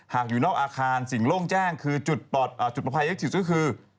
หากอยู่นอกอาคารสิ่งโล่งแจ้งคือจุดปลอดภัยที่สุดก็คือ